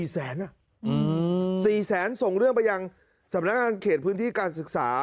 ๔แสนส่งเรื่องไปยังสำนักงานเขตพื้นที่การศึกษา